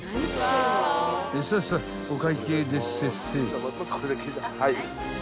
［さあさあお会計でっせっせ］